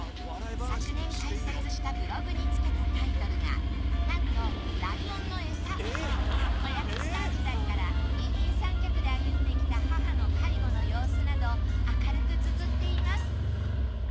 昨年開設したブログにつけたタイトルがなんと子役スター時代から二人三脚で歩んできた母の介護の様子など明るくつづっています